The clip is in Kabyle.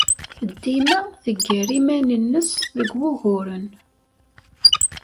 Dima teggar iman-nnes deg wuguren.